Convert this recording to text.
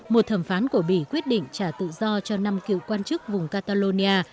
một thẩm phán của bỉ quyết định trả tự do cho năm cựu quan chức vùng catalonia